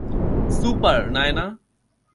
Super, Naina!